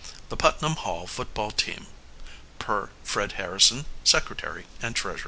"THE PUTNAM HALL FOOTBALL TEAM, "Per Fred Harrison, Secy and Treas."